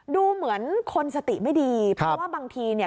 ดูเหมือนคนสติไม่ดีเพราะว่าบางทีเนี่ย